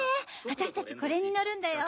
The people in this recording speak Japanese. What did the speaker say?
私たちこれに乗るんだよ。